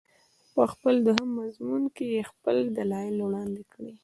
په خپل دوهم مضمون کې یې خپل دلایل وړاندې کړي.